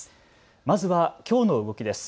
まずはきょうの動きです。